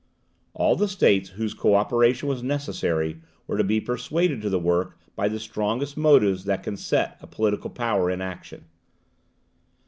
All the states whose co operation was necessary, were to be persuaded to the work by the strongest motives that can set a political power in action.